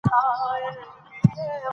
ځینې خلک د ښودلو لپاره لګښت کوي.